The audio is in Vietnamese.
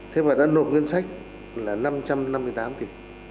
thế mà đã nộp ngân sách là năm trăm năm mươi tám tỷ